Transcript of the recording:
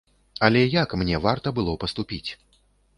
Але як мне варта было паступіць?